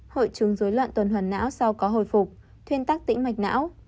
hội chứng dối loạn tuần hoàn não sau có hồi phục thuyên tắc tĩnh mạch não